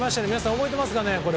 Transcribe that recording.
覚えてますかね。